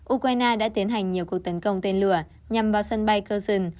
ukraine đã tiến hành nhiều cuộc tấn công tên lửa nhằm vào sân bay kurson